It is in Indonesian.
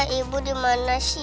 ayah ibu dimana sih ya